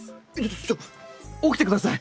ちょっと起きて下さい。